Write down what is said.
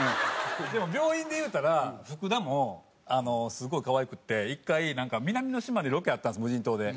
でも病院で言うたら福田もすごい可愛くって１回南の島でロケあったんです無人島で。